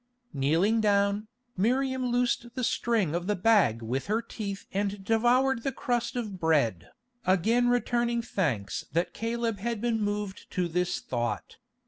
Kneeling down, Miriam loosed the string of the bag with her teeth and devoured the crust of bread, again returning thanks that Caleb had been moved to this thought.